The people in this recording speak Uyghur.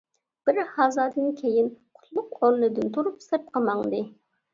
بىر ھازادىن كېيىن قۇتلۇق ئورنىدىن تۇرۇپ سىرتقا ماڭدى.